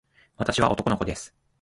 私は男の子です。